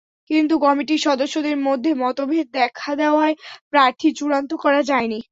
কিন্তু কমিটির সদস্যদের মধ্যে মতভেদ দেখা দেওয়ায় প্রার্থী চূড়ান্ত করা যায়নি।